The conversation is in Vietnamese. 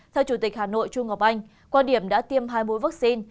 theo chủ tịch hà nội trung ngọc anh quan điểm đã tiêm hai mũi vaccine